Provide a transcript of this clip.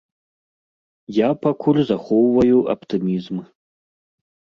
Я пакуль захоўваю аптымізм.